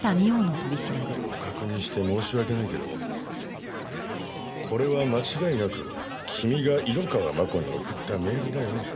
何回も確認して申し訳ないけどこれは間違いなく君が色川真子に送ったメールだよね？